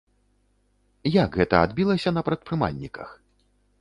Як гэта адбілася на прадпрымальніках?